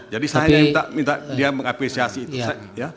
jadi saya hanya minta dia mengapresiasi itu